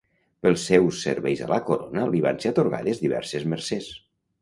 Pels seus serveis a la corona li van ser atorgades diverses mercès.